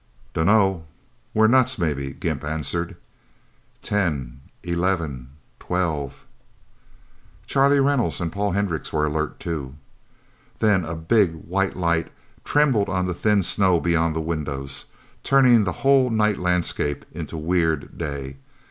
"Dunno we're nuts, maybe," Gimp answered. "Ten eleven twelve " Charlie Reynolds and Paul Hendricks were alert, too. Then a big, white light trembled on the thin snow beyond the windows, turning the whole night landscape into weird day.